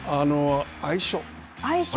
相性。